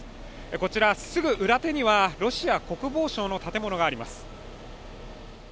こちら、すぐ裏手にはロシア国防省の建物があります。